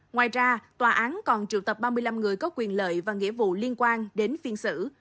ngoài ra tòa án còn triệu tập ba mươi năm người có quyền lợi và nghĩa vụ liên quan đến phiên xử